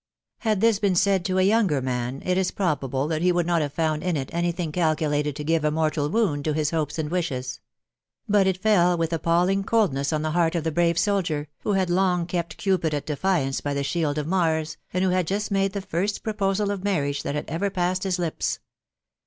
" Had this been said to a younger man, it is probable that he would not have found in it any thing calculated to give a mortal wound to his hopes and wishes ; but it fell with appal* ling coldness on the heart of the brave soldier, who had long kept Cupid at defiance by the shield of Mars, and who had just made the first proposal of marriage that had ever passed his lips.